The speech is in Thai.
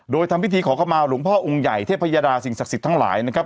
โดยทำพิธีขอเข้ามาหลวงพ่อองค์ใหญ่เทพยดาสิ่งศักดิ์สิทธิ์ทั้งหลายนะครับ